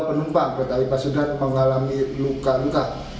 penumpang berterima sudan mengalami luka luka